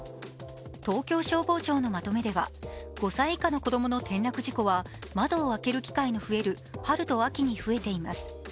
東京消防庁のまとめでは５歳以下の子供の転落事故は窓を開ける機会の増える春と秋に増えています。